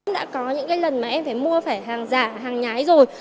đã có những lần mà em phải mua phải hàng giả hàng nhái rồi